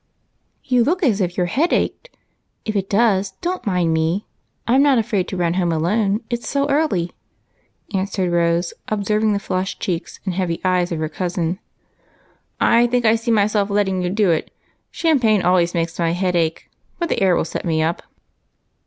" You look as if your head ached. If it does, don't mind me. I 'm not afraid to run home alone, it 's so early," answered Rose, observing the flushed cheeks nnd heavy eyes of her cousin. " I think I see myself letting you do it. Champagne always makes my head ache, but the air will set me up."